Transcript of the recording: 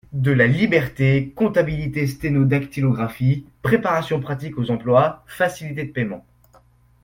de la Liberté, comptabilité sténo-dactylographie, préparation pratique aux emplois, facilités de payement.